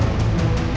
ibu ke ait ya